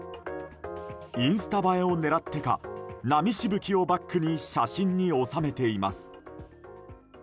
インスタ映えを狙ってか波しぶきをバックに写真に収めています。